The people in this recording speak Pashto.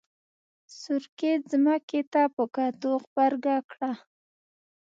سورکي ځمکې ته په کتو غبرګه کړه.